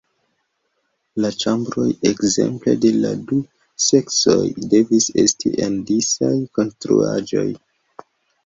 La ĉambroj, ekzemple, de la du seksoj devis esti en disaj konstruaĵoj.